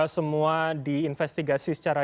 semua diinvestigasi secara